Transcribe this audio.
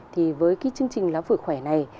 thì với cái chương trình láo phủy khỏe này